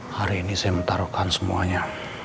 hari ini saya mentaruhkan semuanya